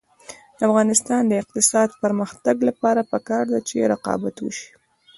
د افغانستان د اقتصادي پرمختګ لپاره پکار ده چې رقابت وشي.